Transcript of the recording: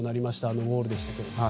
あのゴールでしたけどね。